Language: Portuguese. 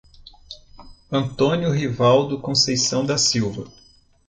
Antônio Rivaldo Conceição da Silva